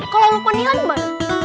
kalau lukman nilai mah